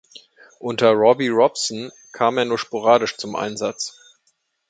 Unter Bobby Robson kam er nur sporadisch zum Einsatz.